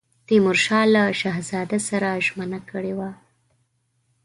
تیمورشاه له شهزاده سره ژمنه کړې وه.